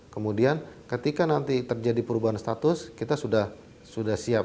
kemudian ketika nanti terjadi perubahan status kita sudah siap